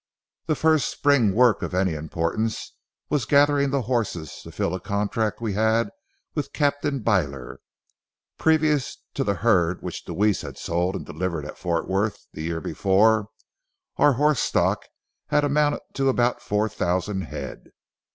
The first spring work of any importance was gathering the horses to fill a contract we had with Captain Byler. Previous to the herd which Deweese had sold and delivered at Fort Worth the year before, our horse stock had amounted to about four thousand head.